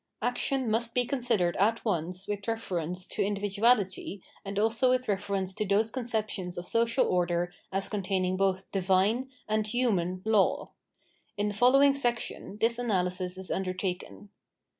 Action must be considered at once with reference to individuality and also with refer ence to those conceptions of social order as containing both divine '' and human " law. In the following section, this analysis is undertaken.